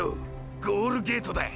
ゴールゲートだ！